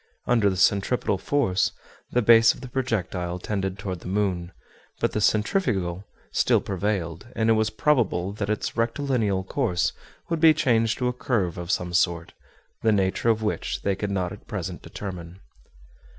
Under the centripetal force, the base of the projectile tended toward the moon; but the centrifugal still prevailed; and it was probable that its rectilineal course would be changed to a curve of some sort, the nature of which they could not at present determine.